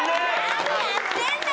何やってんだ！